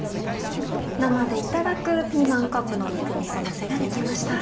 生でいただくピーマンカップの肉みそのせが出来ました。